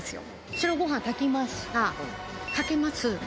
白ご飯炊きましたかけます